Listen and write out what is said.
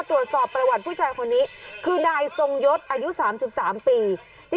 ตรวจสอบประวัติผู้ชายคนนี้คือนายทรงยศอายุ๓๓ปี